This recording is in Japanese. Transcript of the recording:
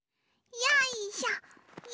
よいしょ。